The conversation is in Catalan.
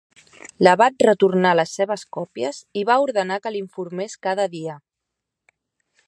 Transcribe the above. L'abat retornar les seves còpies i va ordenar que l'informés cada dia.